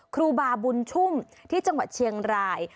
ครูบาบุญชุ่มที่จังหวัดเชียงราย